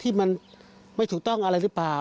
ที่มันไม่ถูกต้องอะไรหรือเปล่า